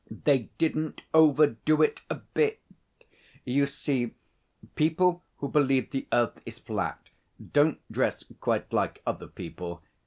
They didn't overdo it a bit. You see, people who believe the earth is flat don't dress quite like other people.